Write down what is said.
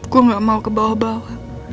kok gak mau ke bawah bawah